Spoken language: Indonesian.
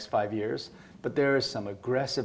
tapi ada beberapa tindakan agresif